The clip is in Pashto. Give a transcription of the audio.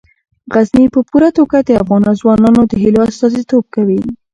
غزني په پوره توګه د افغان ځوانانو د هیلو استازیتوب کوي.